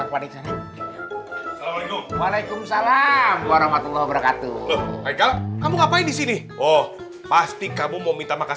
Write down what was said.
waalaikumsalam warahmatullah wabarakatuh kamu ngapain di sini oh pasti kamu mau minta makan